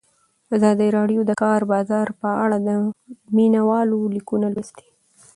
ازادي راډیو د د کار بازار په اړه د مینه والو لیکونه لوستي.